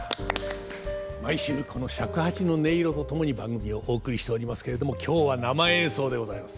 毎週この尺八の音色と共に番組をお送りしておりますけれども今日は生演奏でございます。